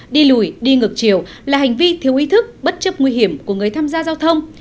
đi lùi đi ngược chiều là hành vi thiếu ý thức bất chấp nguy hiểm của người tham gia giao thông